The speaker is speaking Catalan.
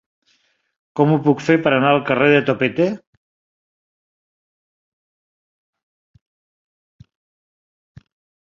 Com ho puc fer per anar al carrer de Topete?